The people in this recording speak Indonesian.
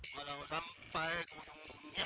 malah sampai ke ujung dunia